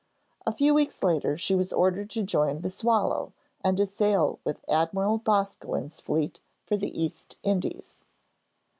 A few weeks later, she was ordered to join the 'Swallow,' and to sail with Admiral Boscawen's fleet for the East Indies.